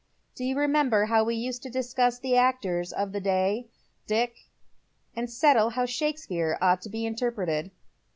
Do you remember how we used to discuss the actors of the day, Dick, and settle how Shakespeare ought to be interpreted